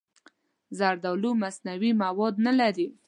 زردالو مصنوعي مواد نه لري.